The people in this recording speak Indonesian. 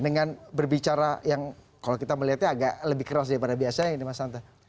dengan berbicara yang kalau kita melihatnya agak lebih keras daripada biasanya ini mas hanta